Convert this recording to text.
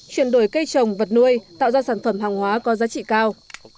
chuyển đổi cây trồng vật nuôi tạo ra sản phẩm hàng hóa có giá trị cao